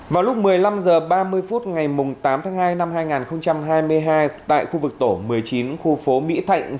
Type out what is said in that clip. vào lúc một mươi năm h ba mươi phút ngày tám tháng hai năm hai nghìn hai mươi hai tại khu vực tổ một mươi chín khu phố mỹ thạnh